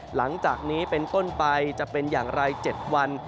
หลังจากนี้เป็นต้นไปจะเป็นอย่างไร๗วัน